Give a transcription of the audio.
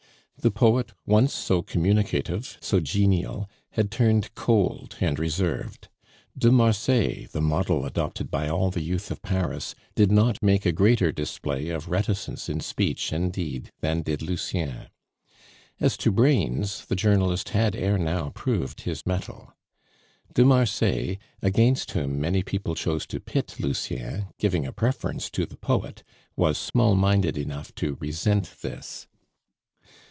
The poet, once so communicative, so genial, had turned cold and reserved. De Marsay, the model adopted by all the youth of Paris, did not make a greater display of reticence in speech and deed than did Lucien. As to brains, the journalist had ere now proved his mettle. De Marsay, against whom many people chose to pit Lucien, giving a preference to the poet, was small minded enough to resent this.